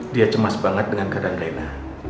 dia cemas banget dengan keadaan raina